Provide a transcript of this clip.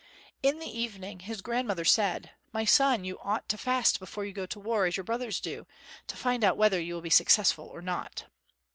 In the evening the grandmother said, "My son, you ought to fast before you go to war, as your brothers do, to find out whether you will be successful or not."